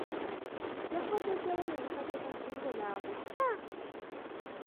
Yakuba jjajjaawe oyo omukadde ku nsingo n'amutta!